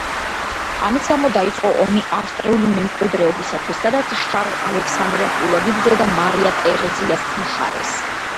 ამის გამო დაიწყო ომი ავსტრიული მემკვიდრეობისათვის, სადაც შარლ ალექსანდრე აქტიურად იბრძოდა მარია ტერეზიას მხარეს.